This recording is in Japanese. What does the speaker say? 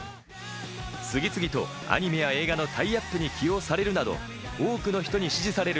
次々とアニメや映画のタイアップに起用されるなど、多くの人に支持される